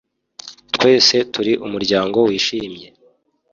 twese turi umuryango wishimye